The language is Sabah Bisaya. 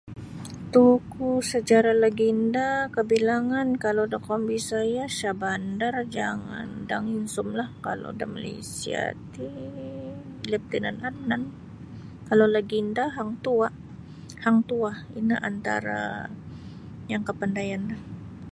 Tukuh sejarah legenda kabilangan kalau dokou Bisaya' ti Shahbandar jangan Dang Insumlah kalau da Malaysia ti Leftenan Adnan kalau legenda Hang Tua' Hang Tuah ino antara yang kapandayanlah.